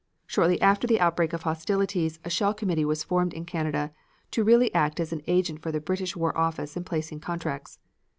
Shortly after the outbreak of hostilities a shell committee was formed in Canada to really act as an agent for the British war office in placing contracts.